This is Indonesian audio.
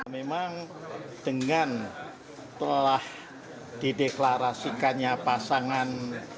memang dengan telah dideklarasikannya pasangan